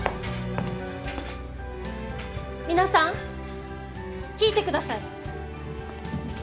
皆さん聞いてください！